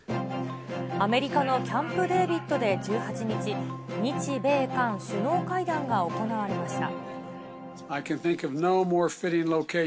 アメリカのキャンプ・デービッドで１８日、日米韓首脳会談が行われました。